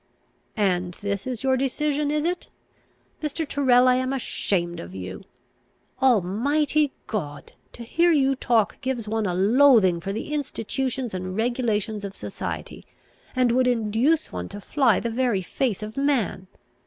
"And this is your decision, is it? Mr. Tyrrel, I am ashamed of you! Almighty God! to hear you talk gives one a loathing for the institutions and regulations of society, and would induce one to fly the very face of man!